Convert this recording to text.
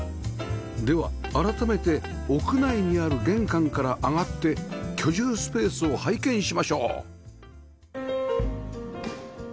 では改めて屋内にある玄関から上がって居住スペースを拝見しましょう